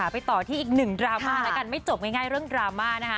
ไปต่อที่อีก๑ดราม่าไม่จบง่ายเรื่องดราม่า